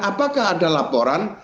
apakah ada laporan